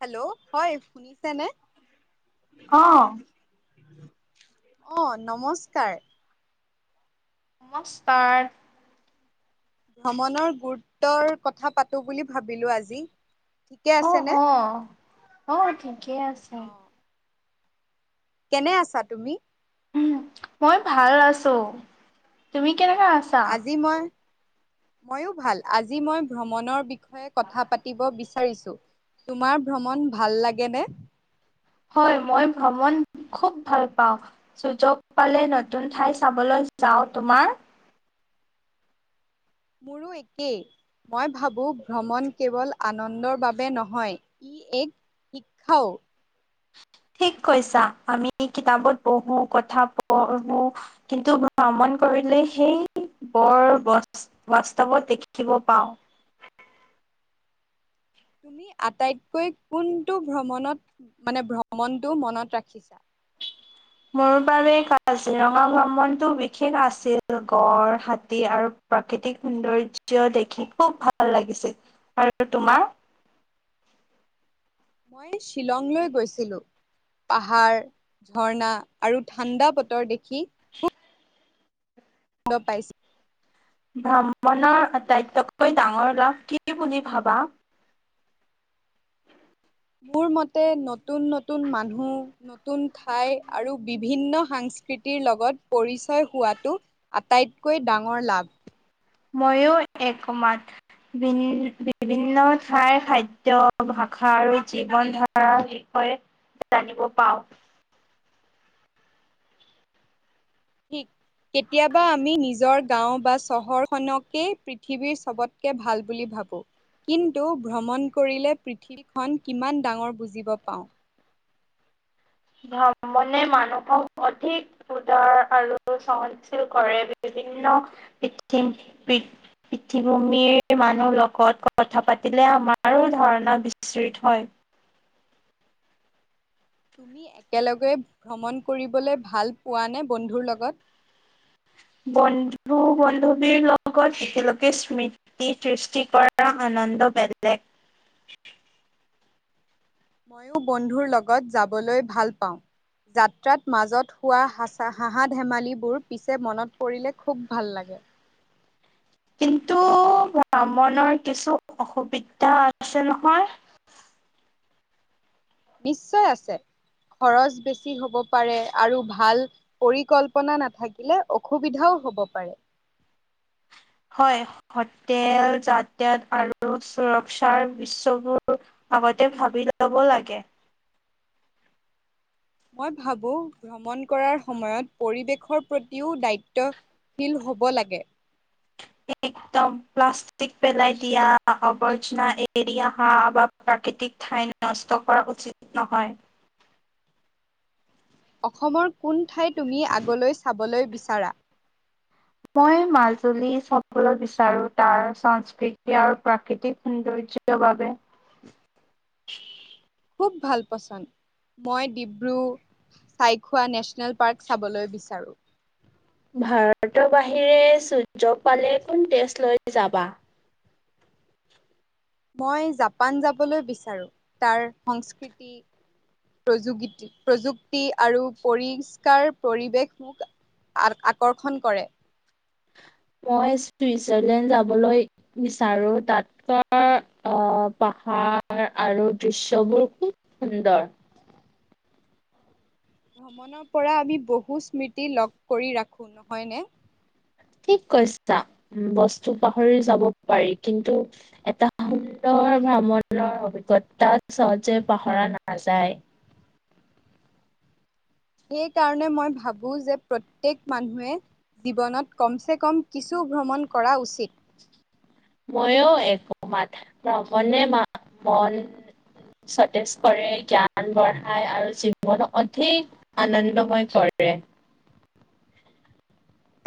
Hello! হয় তেনে। অঁ! অ' নমস্কাৰ। নমস্কাৰ। ভ্ৰমণৰ গুৰুত্বৰ কথা পাতো বুলি ভাবিলো আজি। ঠিকে অঁ, আছেনে? অঁ, অঁ ঠিকেই আছে। অ' কেনে আছা তুমি? উম, মই ভাল আছো। তুমি কেনেকা আ আজি মই, ময়ো ভাল। আজি মই ভ্ৰমণৰ বিষ য়ে কথা পাতিব বিচাৰিছো, তোমাৰ ভ্ৰমণ ভাল লাগেনে? হয়, মই ভ্ৰমণ খুব ভাল পাওঁ। সুজোগ পালেই নতুন ঠাই চাবলৈ যাওঁ। তোমাৰ মোৰো একেই, মই ভাবোঁ ভ্ৰমণ কেৱল আনন্দৰ বাবে নহয়। এক শিক্ষাও। ঠিক কৈছা‌, আমি কিতাপত পঢ়ো, কথা পঢ়ো কিন্তু ভ্ৰমণ কৰিলে সেই বৰ বস্ত বাস্তৱত দেখিব পাওঁ। তুমি আটাইতকৈ কোনটো ভ্ৰমণত মানে ভ্ৰমণটো মনত ৰাখিছা? মোৰ বাবে কাজিৰঙা ভ্ৰমণটো বিশেষ আছিল। গড় হাতী আৰু প্ৰাকৃতিক সৌন্দৰ্য্য দেখি খুব ভাল লাগিছিল। আৰু তোমাৰ? মই শ্বিলংলৈ গৈছিলোঁ। পাহাৰ ঝৰ্ণা আৰু ঠাণ্ডা বতৰ দেখি [unintelligible] দ পাইছো। ভ্ৰামণৰ আটাইতকৈ ডাঙৰ লাভ কি বুলি ভাবা? মোৰ মতে নতুন নতুন মানুহ নতুন ঠাই আৰু বিভিন্ন সাংস্কৃতিৰ লগত পৰিচয় হোৱাটো আটাইতকৈ ডাঙৰ লাভ। ময়ো একমত। বিভিন্ন ঠাইৰ খাদ্য, ভাষা আৰু জীৱন ধাৰা বিষয়ে জানিব পাওঁ। ঠিক। কেতিয়াবা আমি নিজৰ গাঁও বা চহৰখনকেই পৃথিৱীৰ চ'বতকে ভাল বুলি ভাবোঁ। কিন্তু ভ্ৰমণ কৰিলে পৃথিৱীখন কিমান ডাঙৰ বুজিব পাওঁ। ভ্ৰমণে মানুহক অধিক উদাৰ আৰু সহনশীল কৰে, বিভিন্ন কিম কৃষিভূমিৰ মানুহ লগত কথা পাতিলে আমাৰো ধাৰণা বিস্ত্ৰিত হয়। তুমি একেলগে ভ্ৰমন কৰিবলৈ ভাল পোৱানে বন্ধুৰ লগত? বন্ধু বান্ধৱীৰ লগত একেলগে স্মৃত সৃষ্টি কৰাৰ আনন্দ বেলেগ। ময়ো বন্ধুৰ লগত যাবলৈ ভাল পাওঁ। যাত্ৰাত মাজত হোৱা হচ হাঁহা ধেমালিবোৰ পিছে মনত পৰিলে খুব ভাল লাগে। কিন্তু ভ্ৰমণৰ কিছু অসুবিধা আছে নহয়? নিশ্চয় আছে, খৰচ বেছি হ'ব পাৰে আৰু ভাল পৰিকল্পনা নাথাকিলে অসুবিধাও হব পাৰে। হয় হোটেল যাতায়াত আৰু সুৰক্ষাৰ বিশ্ছবোৰ আগতে ভাবি ল'ব লাগে। মই ভাবোঁ ভ্ৰমণ কৰাৰ সময়ত পৰিৱেশৰ প্ৰতিও দায়িত্ব- শীল হ'ব লাগে। একদম প্লাষ্ট- টিক পেলাই দিয়া আৱৰ্জনা এৰি অহা বা প্ৰাকৃতিক ঠাই নষ্ট কৰা উচিত- নহয়। অসমৰ কোন ঠাই তুমি আগলৈ চাবলৈ বিচাৰা? মই মাজুলী চাবলৈ বিচাৰো তাৰ সংস্কৃতি আৰু প্ৰাকৃতিক সৌন্দৰ্য- তো বাবে। খুব ভাল পচন্দ। মই ডিব্ৰু- ছৈখোৱা নেচনেল পাৰ্ক চাবলৈ বিচাৰো। ভাৰতৰ বাহিৰে সূৰ্যক পালে কোন টেষ্ট লৈ যাবা? মই জাপান যাবলৈ বিচাৰোঁ, তাৰ সংস্কৃতি- প্ৰযোগী প্ৰযুক্তি আৰু পৰিষ্কাৰ পৰিৱেশ মোক- আৰ-আকৰ্ষণ কৰে। মই চুইজাৰলেণ্ড যাবলৈ বিচাৰো, তা'ত তাৰ আঁহ' পাহাৰ আৰু দৃশ্যবোৰ খুব সুন্দৰ। ভ্ৰমণৰ পৰা আমি বহু স্মৃতি লগ কৰি ৰাখোঁ নহয় নে। ঠিক কৈছা, বস্তু পাহৰি যাব পাৰি কিন্তু- এটা সুন্দৰ ভ্ৰমণৰ অভিজ্ঞতা সহজে পাহৰা নাযায়। সেইকাৰণে মই ভাবো যে প্ৰত্যেক মানুহে- জীৱনত কম-চেকম কিছু ভ্ৰমণ কৰা উচিত। মইও একমত, ভ্ৰমনে মা মন সতেজ কৰে, জ্ঞান বঢ়ায়, আৰু জীৱন অধিক- আনন্দময় কৰে।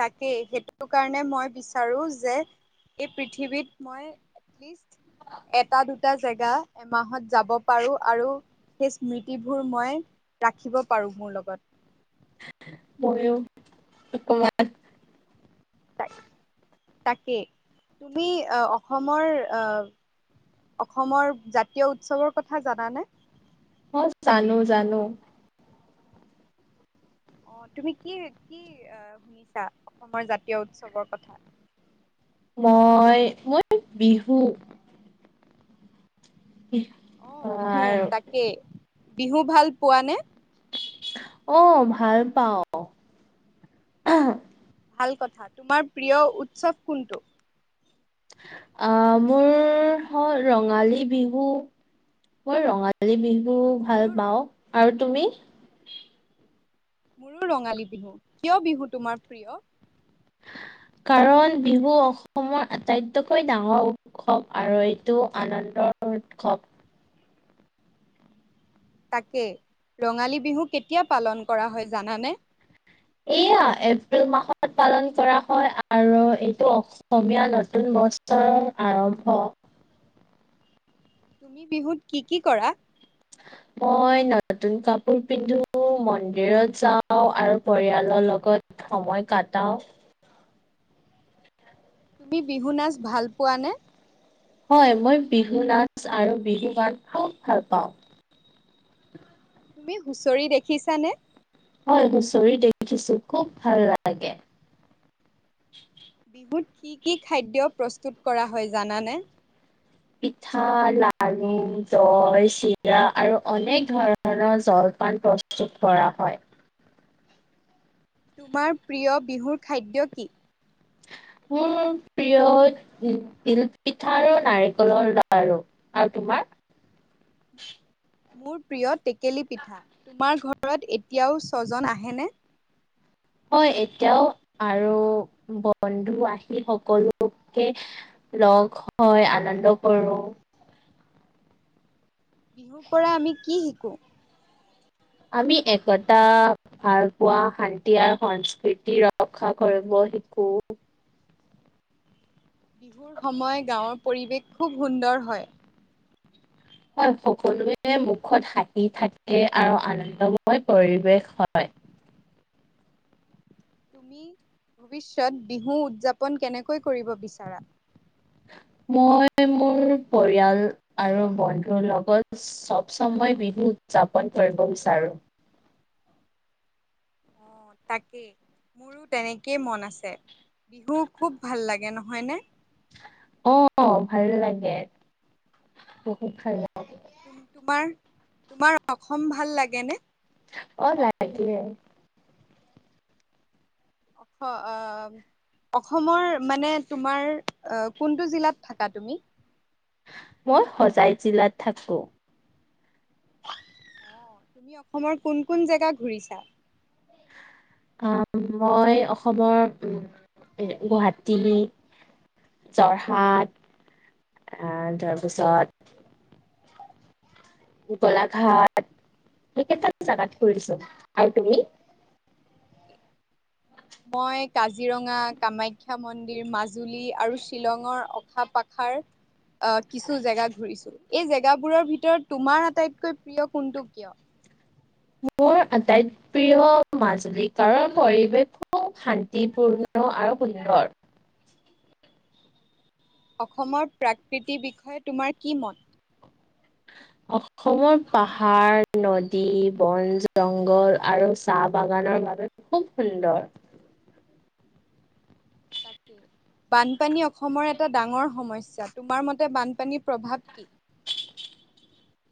তাকেই, সেইটো কাৰণে মই বিচাৰোঁ যে এই পৃথিৱীত মই এটলিষ্ট- এটা-দুটা জেগা এমাহত যাব পাৰোঁ, আৰু- সেই স্মৃতিবোৰ মই ৰাখিব পাৰো মোৰ লগত। মইও অকণমান। তাকেই, তুমি অসমৰ আহ'- অসমৰ জাতীয় উৎসৱৰ কথা জানা নে? অ', -জানো-জানো। অ', তুমি কি-কি আঁহ' শুনিছা অসমৰ জাতীয় উৎসৱৰ কথা? মই, মই বিহু। [unintelligible] অঁ' বিহু আৰু তাকে, বিহু ভাল পোৱা নে? অঁ', ভাল পাওঁ। ভাল কথা। তোমাৰ প্ৰিয় উৎসৱ কোনটো? আঁহ' মোৰ হ'ল ৰঙালী বিহু, মই ৰঙালী- ৰঙালী বিহু ভাল মোৰো পাওঁ, আৰু তুমি? মোৰো ৰঙালী বিহু। কিয় বিহু তোমাৰ প্ৰিয়? কাৰণ বিহু অসমৰ আটাইতকৈ ডাঙৰ উৎসৱ, আৰু এইটো আনন্দৰ উৎসৱ। তাকে, ৰঙালী বিহু কেতিয়া পালন কৰা হয় জানা নে? এয়া এপ্ৰিল মাহত পালন কৰা হয়, আৰু এইটো অসমীয়া জাতি নতুন বছৰ আৰম্ভ। তুমি বিহুত কি কি কৰা? মই নতুন কাপোৰ পিন্ধো মন্দিৰত যাওঁ আৰু পৰিয়ালৰ লগত সময় কাটাও। তুমি বিহু নাচ ভাল পোৱা নে? হয়। মই বিহু নাচ আৰু বিহু গান খুব ভাল পাওঁ। তুমি হুঁচৰি দেখিছানে। হয় হুচৰি দেখিছো খুব ভাল লাগে। বিহুত কি কি খাদ্য প্ৰস্তুত কৰা হয়, জানানে? পিঠা, লাৰু, দৈ, চিৰা আৰু অনেক ধৰণৰ জলপান প্ৰস্তুত প্ৰস্তুত কৰা হয় তোমাৰ প্ৰিয় বিহুৰ খাদ্য কি মোৰ প্ৰিয় তিল পিঠা আৰু নাৰিকলৰ লাৰু। আৰু তোমাৰ? মোৰ প্ৰিয় টেকেলী পিঠা, তোমাৰ ঘৰত এতিয়াও ছজন আহেনে? হয় এতিয়াও আৰু বন্ধু আহি সকলোকে লগ হয়, আনন্দ কৰোঁ। বিহুৰ পৰা আমি কি শিকোঁ আমি একতা ভাল পোৱা, শান্তি আৰু সংস্কৃতি ৰক্ষা কৰিব শিকো। সময় গাঁৱৰ পৰিৱেশ খুউব সুন্দৰ হয়! হয় সকলোৱে মুখত হাঁহি থাকে আৰু আনন্দময় পৰিৱেশ হয় তুমি ভৱিষ্যত বিহু উদযাপন কেনেকৈ কৰিব বিচাৰা। মই মোৰ পৰিয়াল আৰু বন্ধুৰ লগত চব সময়, বিহু উদযাপন কৰিব বিচাৰোঁ। অঁ তাকেই। মোৰো তেনেকেই মন আছে। বিহু খুউব ভাল লাগে, নহয়নে? অ অ ভাল লাগে বহুত ভাল লাগে তোমাৰ তোমাৰ অসম ভাল লাগেনে অ' লাগে। অখ অ' অসমৰ মানে তোমাৰ অঁ কোনটো জিলাত থাকা তুমি? মই হোজাই জিলাত থাকো অ তুমি অসমৰ কোন কোন জেগা ঘূৰিছা। অ'! মই অসমৰ গু-গুৱাহাটী, যোৰহাট, আ তাৰপিছত। পুতলাঘাট সেইকেইটা জাগাত ফুৰিছো। আৰু তুমি? মই কাজিৰঙা কামাখ্যা মন্দিৰ মাজুলী আৰু শ্বিলঙৰ অশা পাখাৰ অ' কিছু জেগা ঘুৰিছো, এই জেগাবোৰৰ ভিতৰত তোমাৰ আটাইতকৈ প্ৰিয় কোনটো কিয়? মোৰ আটাইত প্ৰিয় মাজুলী কাৰৰ পৰিৱেশো শান্তিপূৰ্ণ আৰু সুন্দৰ অসমৰ প্ৰাকৃতিৰ বিষয়ে তোমাৰ কি মত অ অসমৰ পাহাৰ নদী বন জংঘল আৰু চাহ বাগানৰ বাবে খুব সুন্দৰ। তাকে বানপানী অসমৰ এটা ডাঙৰ সমস্যা, তোমাৰ মতে বানপানীৰ প্ৰভাৱ কি।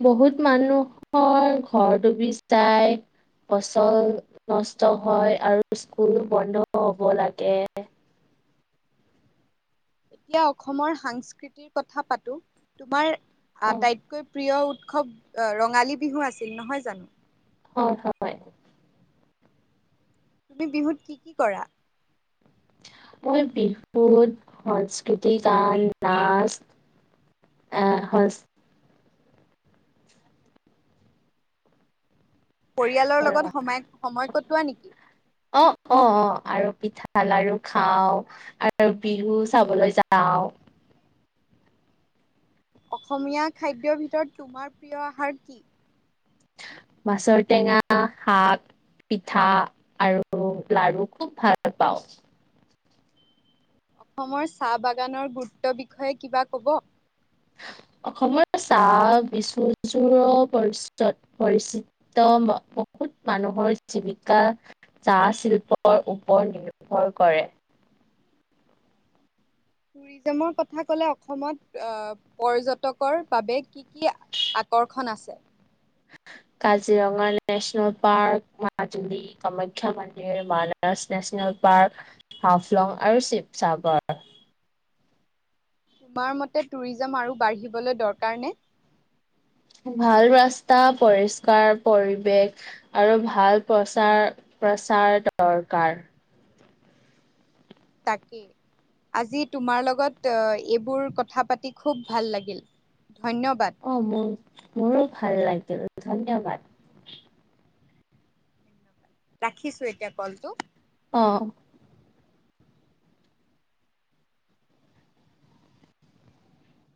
বহুত মানুহৰ ঘৰ ডুবি যায়। ফচল নষ্ট হয় আৰু স্কুল বন্ধ হ'ব লাগে এতিয়া অসমৰ সাংস্কৃতিৰ কথা পাতো। তোমাৰ অ' আটাইত কৈ প্ৰিয় উৎসৱ আ ৰঙালী বিহু আছিল নহয় জানো? হয় হয়। তুমি বিহুত কি কি কৰা? মই বিহুত সংস্কৃতি গান নাচ এ' সচ পৰিয়ালৰ লগত সচ সময় সময় কটোৱা নেকি? অ', অ', অ' আৰু পিঠা লাড়ু খাওঁ। আৰু বিহু চাবলৈ যাওঁ। অসমীয়া খাদ্যৰ ভিতৰত তোমাৰ প্ৰিয় আহাৰ কি? মাছৰ টেঙা শাক পিঠা আৰু লাৰু খুব ভাল পাওঁ। অসমৰ চাহ বাগানৰ গুৰুত্বৰ বিষয়ে কিবা ক'ব? অসমৰ চাহ বিশ্বদৰবাৰত পৰিচিত। ত বহুত মানুহৰ জীৱিকা চাহ শিল্পৰ ওপৰত নিৰ্ভৰ কৰে। টুৰিজিমৰ কথা ক'লে অসমত অ' পৰ্য্যটকৰ বাবে কি কি আকৰ্ষণ আছে। কাজিৰঙা নেচনেল পাৰ্ক, মাজুলী কামাখ্যা মন্দিৰ, মানাহ নেচনেল পাৰ্ক, হাফলং আৰু শিৱসাগৰ। তোমাৰ মতে টুৰিজিম আৰু বাঢ়িবলৈ দৰকাৰ নে? ভাল ৰাস্তা, পৰিষ্কাৰ পৰিৱেশ আৰু ভাল প্ৰচাৰ প্ৰচাৰ দৰকাৰ। তাকে। আজি তোমাৰ লগত এইবোৰ কথা পাতি খুব ভাল লাগিল ধন্যবাদ। অঁ মোৰ মোৰো ভাল লাগিল ধন্যবাদ। ৰাখিছো এতিয়া কলটো। অ'।